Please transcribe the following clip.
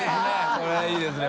これはいいですね